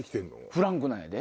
フランクなんやね。